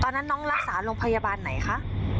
ตอนนั้นน้องรักษาโรงพยาบาลไหนคะ